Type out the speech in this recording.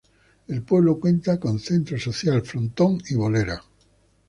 El pueblo cuenta con centro social, frontón y bolera.